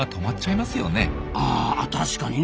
あ確かにね。